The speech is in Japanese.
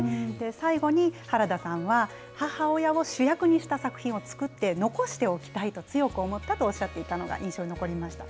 最後に、原田さんは母親を主役にした作品を作って、残しておきたいと強く思ったとおっしゃっていたのが印象に残りました。